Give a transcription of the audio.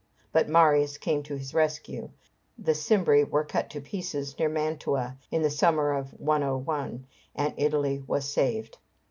But Marius came to his rescue. The Cimbri were cut to pieces near Mantua, in the summer of 101, and Italy was saved.